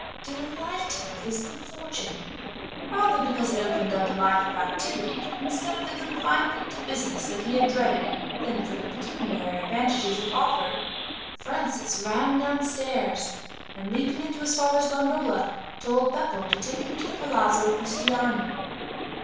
Delighted with his good fortune rather because it opened up a life of activity, instead of the confinement to business that he had dreaded, than for the pecuniary advantages it offered Francis ran downstairs and, leaping into his father's gondola, told Beppo to take him to the Palazzo Giustiniani.